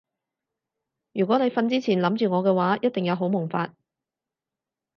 如果你瞓之前諗住我嘅話一定有好夢發